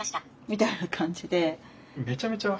みたいな感じで。